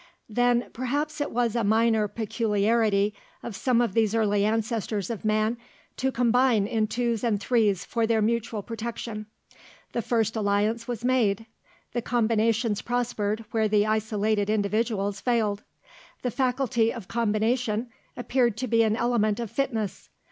Then perhaps it was a minor peculiarity of some of these early ancestors of man to combine in twos and threes for their mutual protection. The first alliance was made; the combinations prospered where the isolated individuals failed. The faculty of combination appeared to be an element of fitness.